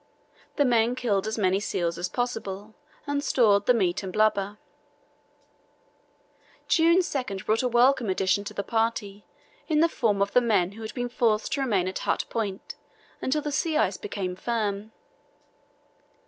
The men killed as many seals as possible and stored the meat and blubber. June 2 brought a welcome addition to the party in the form of the men who had been forced to remain at Hut Point until the sea ice became firm.